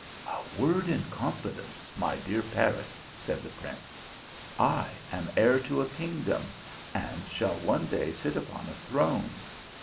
" A word in confidence, my dear parrot," said the prince. "I am heir to a kingdom, and shall one day sit upon a throne.